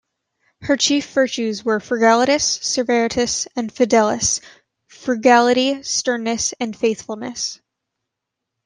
Her chief virtues were "frugalitas, severitas" and "fidelis"-frugality, sternness, and faithfulness.